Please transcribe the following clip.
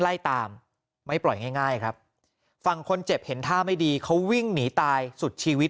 ไล่ตามไม่ปล่อยง่ายครับฝั่งคนเจ็บเห็นท่าไม่ดีเขาวิ่งหนีตายสุดชีวิต